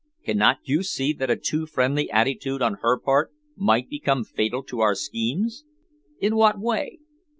Cannot you see that a too friendly attitude on her part might become fatal to our schemes?" "In what way?"